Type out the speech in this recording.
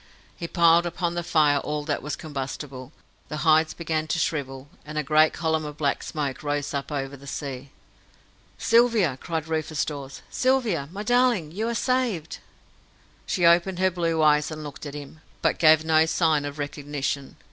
He piled upon the fire all that was combustible, the hides began to shrivel, and a great column of black smoke rose up over the sea. "Sylvia!" cried Rufus Dawes. "Sylvia! My darling! You are saved!" She opened her blue eyes and looked at him, but gave no sign of recognition.